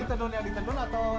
ini tenun yang ditendun atau di